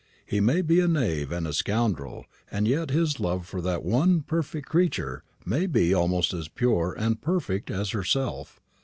He may be a knave and a scoundrel, and yet his love for that one perfect creature may be almost as pure and perfect as herself.